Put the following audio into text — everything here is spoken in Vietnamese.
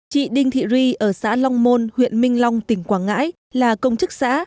chị đinh thị ri ở xã long môn huyện minh long tỉnh quảng ngãi là công chức xã